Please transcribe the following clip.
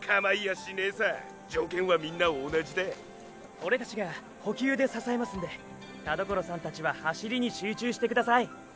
オレたちが補給で支えますんで田所さんたちは走りに集中してください！